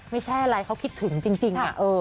ไม่ใช่อะไรเขาคิดถึงจริง